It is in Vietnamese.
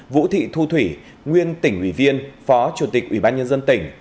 vũ thị thu thủy nguyên tỉnh ủy viên phó chủ tịch ủy ban nhân dân tỉnh